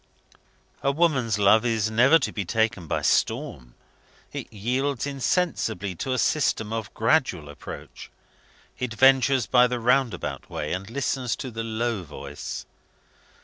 A woman's love is never to be taken by storm; it yields insensibly to a system of gradual approach. It ventures by the roundabout way, and listens to the low voice.